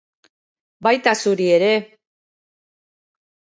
Baita zuri ere!